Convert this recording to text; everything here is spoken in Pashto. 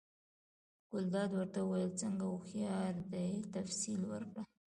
ګلداد ورته وویل: څنګه هوښیار دی، تفصیل ورکړه؟